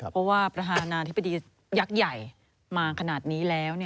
เพราะว่าประธานาธิบดียักษ์ใหญ่มาขนาดนี้แล้ว